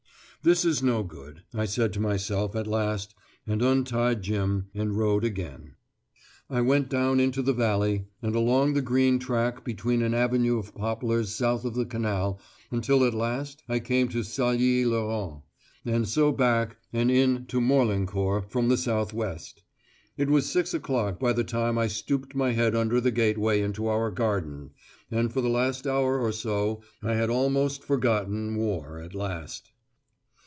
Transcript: "This is no good," I said to myself at last, and untied Jim and rode again. I went down into the valley, and along the green track between an avenue of poplars south of the canal until at last I came to Sailly Laurette, and so back and in to Morlancourt from the south west. It was six o'clock by the time I stooped my head under the gateway into our garden, and for the last hour or so I had almost forgotten war at last.